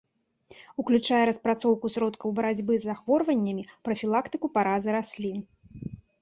Уключае распрацоўку сродкаў барацьбы з захворваннямі, прафілактыку паразы раслін.